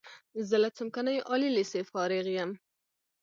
زه له څمکنیو عالی لیسې فارغ یم.